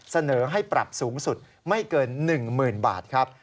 เสนอให้ปรับสูงสุดไม่เกิน๑๐๐๐บาทครับ